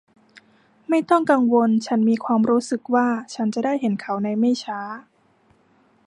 ไม่ต้องกังวลฉันมีความรู้สึกว่าฉันจะได้เห็นเขาในไม่ช้า